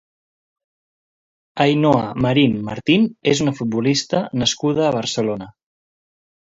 Ainhoa Marín Martín és una futbolista nascuda a Barcelona.